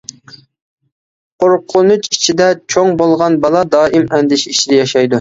قورقۇنچ ئىچىدە چوڭ بولغان بالا، دائىم ئەندىشە ئىچىدە ياشايدۇ.